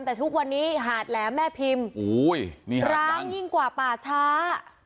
แต่ทุกวันนี้หาดแหลมแม่พิมพ์ร้างยิ่งกว่าป่าช้า